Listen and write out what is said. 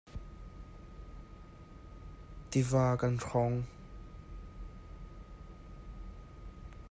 Tiva kan hrawng.